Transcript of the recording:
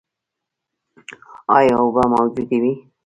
ایا اوبه موجودې وې؟